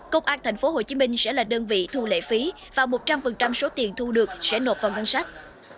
công an tp hcm sẽ là đơn vị thu lệ phí và một trăm linh số tiền thu được sẽ nộp vào ngân sách